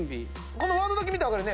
このワードだけ見たら分かるね？